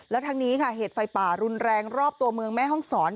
และทั้งนี้ค่ะเหตุไฟป่ารุนแรงรอบตัวเมืองแม่ห้องศร